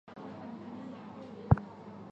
栗齿鼩鼱为鼩鼱科鼩鼱属的动物。